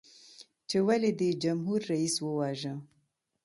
چې ولې دې جمهور رئیس وواژه؟